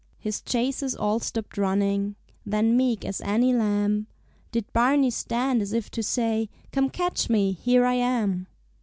His chasers all stopped running; Then meek as any lamb Did Barney stand, as if to say, "Come catch me! Here I am."